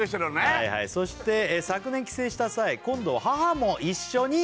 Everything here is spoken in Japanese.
はいはい「そして昨年帰省した際今度は母も一緒に」